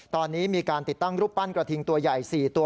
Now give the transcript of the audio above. ตอนนี้มีการติดตั้งรูปปั้นกระทิงตัวใหญ่๔ตัว